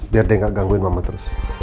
biar dia gak gangguin mama terus